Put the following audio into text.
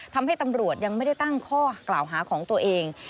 ทำให้ตำรวจยังไม่ได้ตั้งข้อกล่าวหาของตัวเอง